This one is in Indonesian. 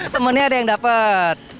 temennya ada yang dapet